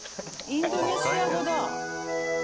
インドネシア語だ。